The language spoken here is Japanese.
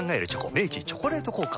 明治「チョコレート効果」